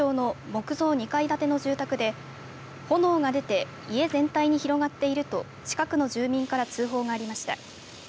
木造２階建ての住宅で炎が出て家全体に広がっていると近くの住民から通報がありました。